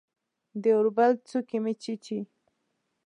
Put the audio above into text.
د اوربل څوکې مې چیچي